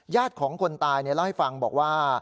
ญาติของคนตายเนี่ยเล่าให้ฟังบอกว่า